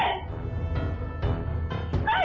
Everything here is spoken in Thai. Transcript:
เร็ว